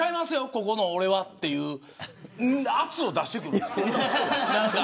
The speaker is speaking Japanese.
ここの俺はって圧を出してくる。